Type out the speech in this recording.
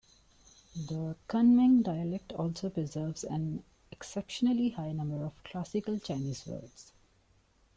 The Kunming dialect also preserves an exceptionally high number of classical Chinese words.